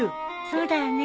そうだね。